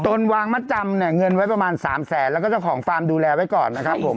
ตนวางมัดจำเนี่ยเงินไว้ประมาณ๓แสนแล้วก็เจ้าของฟาร์มดูแลไว้ก่อนนะครับผม